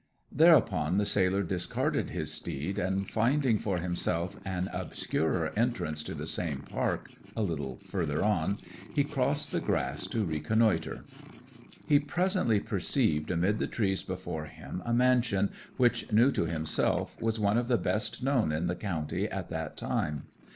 Thereupon the sailor discarded his steed, and finding for himself an obscurer entrance to the same park a little further on, he crossed the grass to reconnoitre. He presently perceived amid the trees before him a mansion which, new to himself, was one of the best known in the county at that time.